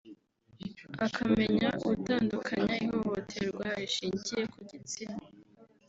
akamenya gutandukanya ihohoterwa rishingiye ku gitsina